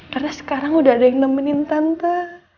karena sekarang udah ada yang nemenin tante